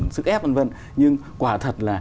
sức ép v v nhưng quả thật là